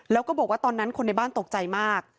แล้วก็บอกว่าตอนนั้นคนในบ้านตกใจมาก